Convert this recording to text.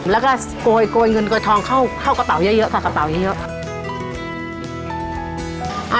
แล้วก็โกยเงินโกยทองเข้ากระเป๋าเยอะ